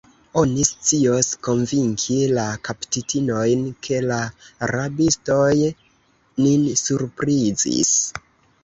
Oni scios konvinki la kaptitinojn, ke la rabistoj nin surprizis.